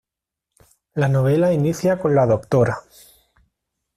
La novela inicia con la Dra.